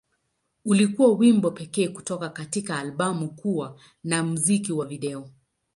Ulikuwa wimbo pekee kutoka katika albamu kuwa na na muziki wa video.